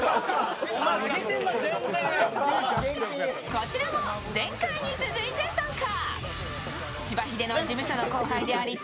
こちらも前回に続いて参加。